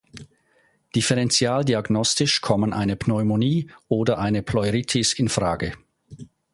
Differentialdiagnostisch kommen eine Pneumonie oder eine Pleuritis infrage.